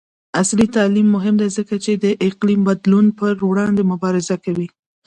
عصري تعلیم مهم دی ځکه چې د اقلیم بدلون پر وړاندې مبارزه کوي.